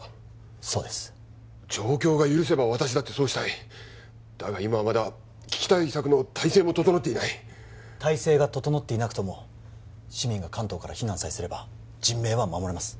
そうです状況が許せば私だってそうしたいだが今はまだ危機対策の体制も整っていない体制が整っていなくとも市民が関東から避難さえすれば人命は守れます